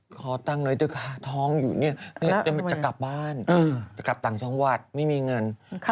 ขอตังค์หน่อยเถอะค่ะท้องอยู่เนี่ยจะกลับบ้านจะกลับต่างจังหวัดไม่มีเงิน